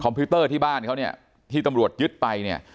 พิวเตอร์ที่บ้านเขาเนี่ยที่ตำรวจยึดไปเนี่ย